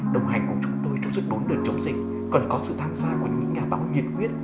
đồng hành của chúng tôi trong suốt bốn đợt chống dịch còn có sự tham gia của những nhà báo nhiệt quyết